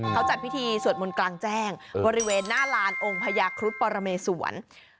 เขาจัดพิธีสวดมนต์กลางแจ้งบริเวณหน้าลานองค์พญาครุฑปรเมสวน